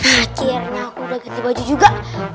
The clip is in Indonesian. maciernya aku udah ganti baju juga